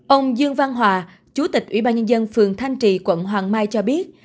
ông dương văn hòa chủ tịch ủy ban nhân dân phường thanh trì quận hoàng mai cho biết